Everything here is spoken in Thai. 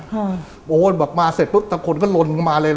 โอ้ยเหมือนบอกมาสิตกลกล้นมาเลย